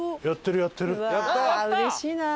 やってるやってる。